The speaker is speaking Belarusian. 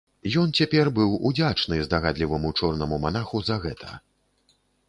Ён цяпер быў удзячны здагадліваму чорнаму манаху за гэта.